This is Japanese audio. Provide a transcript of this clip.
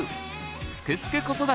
「すくすく子育て」